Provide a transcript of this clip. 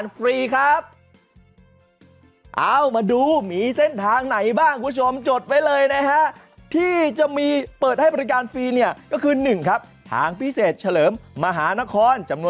ผู้ชมที่จะมีเปิดให้บริการฟรีทางภาคสาเหรมมหานคร๑๙ด่าน